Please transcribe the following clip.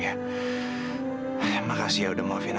iya ada pada suatu judul rasanya